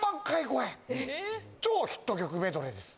超ヒット曲メドレーです